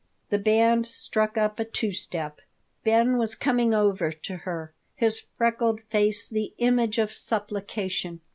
'" The band struck up a two step Ben was coming over to her, his freckled face the image of supplication.